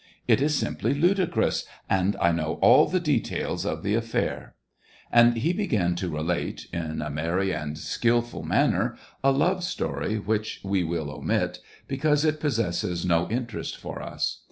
" It is simply ludicrous, and I know all the details of the affair." And he began to relate — in a merry, and skilful manner — a love story, which we will omit, 6o SEVASTOPOL IN MAY. because it possesses no interest for us.